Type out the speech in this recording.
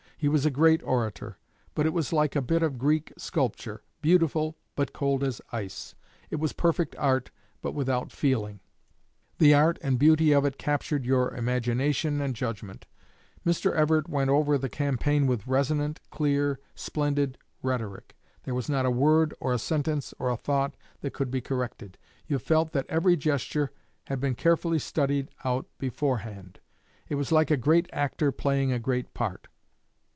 He was a great orator, but it was like a bit of Greek sculpture beautiful, but cold as ice. It was perfect art, but without feeling. The art and beauty of it captured your imagination and judgment. Mr. Everett went over the campaign with resonant, clear, splendid rhetoric. There was not a word or a sentence or a thought that could be corrected. You felt that every gesture had been carefully studied out beforehand. It was like a great actor playing a great part....